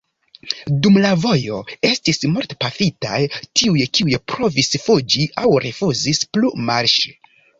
Dum la vojo estis mortpafitaj tiuj, kiuj provis fuĝi aŭ rifuzis plu marŝi.